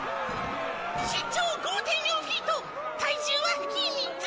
身長５．４フィート体重は秘密！